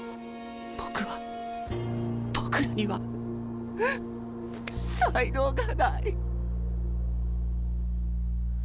僕は僕らには才能がない。